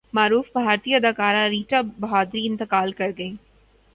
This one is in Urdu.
معروف بھارتی اداکارہ ریٹا بہادری انتقال کرگئیں